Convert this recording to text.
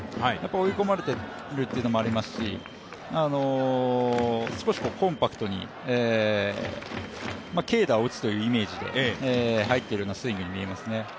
追い込まれてるというのもありますし、少しコンパクトに、軽打を打つというイメージで入っているようなスイングに見えますね。